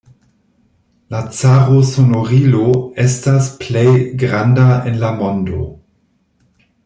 La Caro-Sonorilo estas plej granda en la mondo.